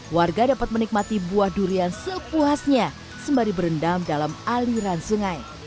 warga dapat menikmati buah durian sepuasnya sembari berendam dalam aliran sungai